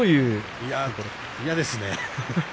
嫌ですね。